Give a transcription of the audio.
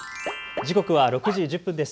時刻は６時１０分です。